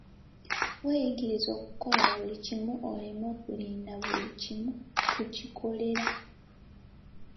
Weeyigirize okukola buli kimu, oleme kulinda buli kimu kukikolera.